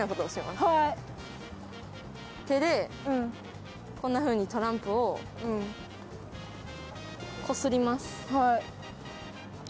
手でこんなふうにトランプをこすります。